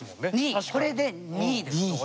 これで２位ですと。